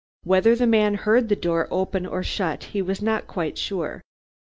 Whether the man heard the door open or shut he was not quite sure.